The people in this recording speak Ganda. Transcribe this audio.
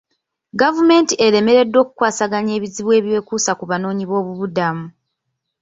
Gavumenti eremereddwa okukwasaganya ebizibu ebyekuusa ku banoonyiboobubudamu.